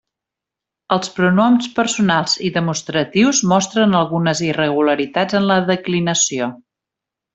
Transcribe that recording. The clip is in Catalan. Els pronoms personals i demostratius mostren algunes irregularitats en la declinació.